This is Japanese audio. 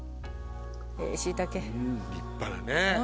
立派なね。